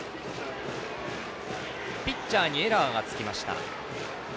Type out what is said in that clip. ピッチャーにエラーがつきました。